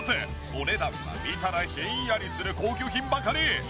お値段は見たらひんやりする高級品ばかり。